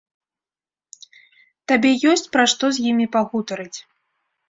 Табе ёсць пра што з імі пагутарыць.